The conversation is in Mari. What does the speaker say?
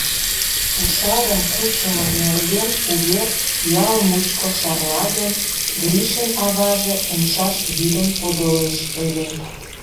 — Пушарым кучымо нерген увер ял мучко шарла гын, Гришын аваже умшаш вӱдым подылеш ыле...